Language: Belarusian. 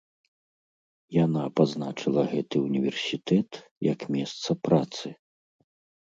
Яна пазначыла гэты ўніверсітэт як месца працы.